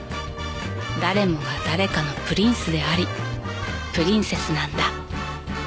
［誰もが誰かのプリンスでありプリンセスなんだ］